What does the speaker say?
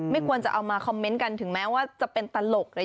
ควรจะเอามาคอมเมนต์กันถึงแม้ว่าจะเป็นตลกเลย